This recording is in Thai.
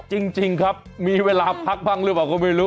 จริงครับมีเวลาพักบ้างหรือเปล่าก็ไม่รู้